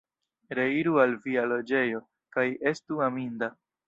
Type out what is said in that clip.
Reiru al via loĝejo, kaj estu aminda!